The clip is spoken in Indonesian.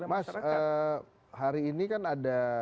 mas hari ini kan ada